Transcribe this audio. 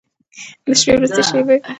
د شپې وروستۍ شېبې د سهار په لور تښتېدې.